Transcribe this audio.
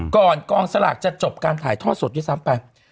ก่อนกองสลากจะจบการถ่ายทอดสดที่ซ้ำไปอืม